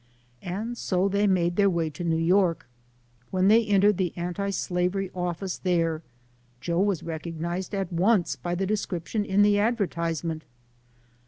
And so they made their way to New York. When they entered the anti slavery office there, Joe was recognized at once by the description in the advertisement.